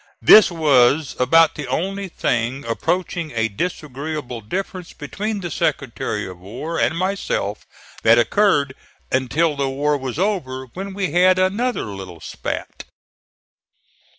This was about the only thing approaching a disagreeable difference between the Secretary of War and myself that occurred until the war was over, when we had another little spat.